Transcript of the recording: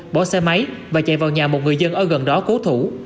bỏ xe máy và chạy vào nhà một người dân ở gần đó cố thủ